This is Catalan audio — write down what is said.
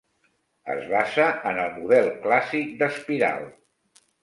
Es basa en el model clàssic d'espiral.